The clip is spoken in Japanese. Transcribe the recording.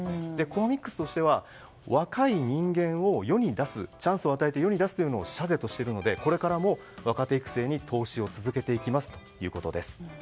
コアミックスとしては若い人間を世に出す、チャンスを与えるというのを社是としているのでこれからも若手育成に投資を続けていきますということです。